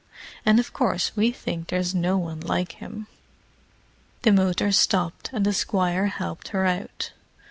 And of course we think there's no one like him." The motor stopped, and the Squire helped her out.